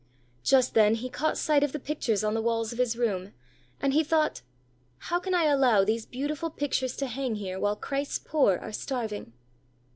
Just then he caught sight of the pictures on the walls of his room, and he thought: "How can I allow these beautiful pictures to hang here while Christ's poor are starving?"